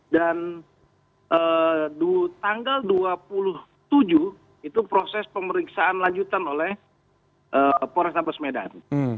dan tanggal dua puluh tujuh itu proses pemeriksaan lanjutan oleh polrestabes medan